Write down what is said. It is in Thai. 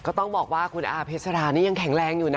ก็ต้องบอกว่าคุณอาเพชรรานี่ยังแข็งแรงอยู่นะ